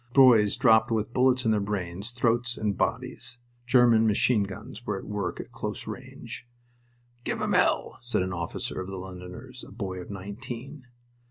Boys dropped with bullets in their brains, throats, and bodies. German machine guns were at work at close range. "Give'em hell!" said an officer of the Londoners a boy of nineteen.